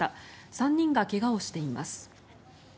３人が怪我をしています。